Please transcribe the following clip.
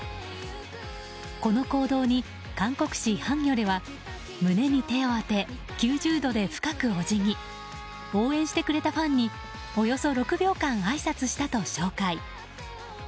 この行動に韓国紙ハンギョレは胸に手を当て９０度で深くお辞儀応援してくれたファンにおよそ６秒間あいさつしたと紹介。